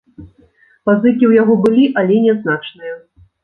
Пазыкі ў яго былі, але нязначныя.